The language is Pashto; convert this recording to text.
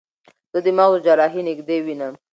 زه د مغزو جراحي نږدې وینم.